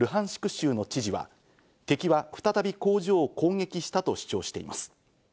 州の知事は、敵は再び工場を攻撃したと主張しています。